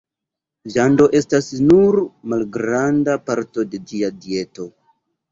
Viando estas nur malgranda parto de ĝia dieto.